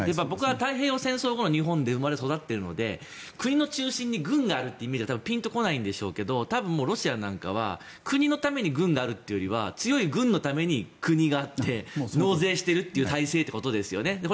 僕は太平洋戦争後の日本で生まれ育っているので国の中心に軍があるというのはピンと来ないんでしょうけど多分ロシアなんかは国のために軍があるというよりは強い軍のために国があって、納税しているっていう体制ってことですよね。